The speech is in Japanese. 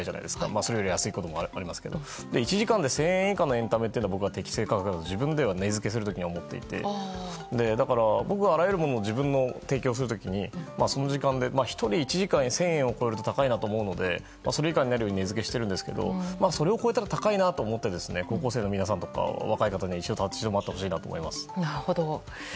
それより安いこともありますが１時間で１０００円以下のエンタメが適正価格だと自分では値付けするときに思っていて僕は、あらゆるものを自分が提供する時にその時間で１人１時間１０００円を超えると高いなと思うのでそれ以下になるように値付けしていますがそれを超えたら高いと思って高校生の皆さんとか若い方には立ち回ってほしいなと思います。